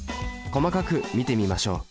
細かく見てみましょう。